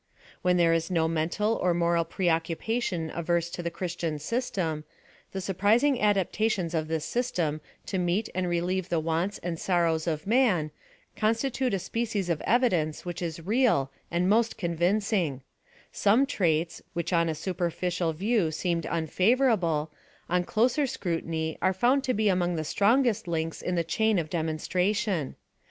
When there is no mental or moral preoccupation averse to the Chris tian system, the surprising adaptations of this system to meet and relieve the wants and sorrows of man, consti tute a species of evidence which is real and most con vincing ; some traits, which on a superficial view seemed unfavorable, on closer scrutmy are found to be among the strongest links in the chain of demonstration.